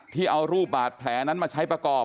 ที่เอารูปบาดแผลนั้นมาใช้ประกอบ